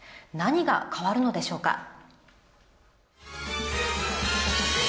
何が変わるのでしょうか？